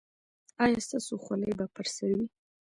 ایا ستاسو خولۍ به پر سر وي؟